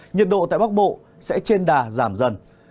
nhiệt độ tại bắc bộ sẽ trên đà giảm dần